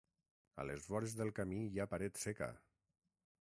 A les vores del camí hi ha paret seca.